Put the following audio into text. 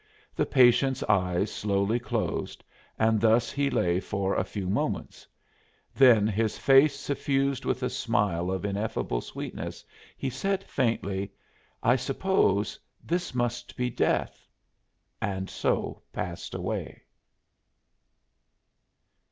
The patient's eyes slowly closed, and thus he lay for a few moments; then, his face suffused with a smile of ineffable sweetness, he said, faintly: "I suppose this must be death," and so passed away.